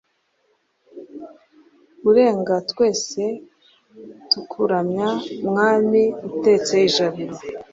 urenga twese tukuramya mwami utetse ijabiro